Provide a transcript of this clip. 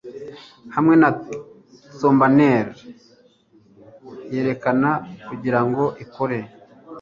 Hamwe na thumbnail yerekana kugirango ikore